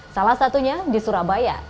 salah satunya di surabaya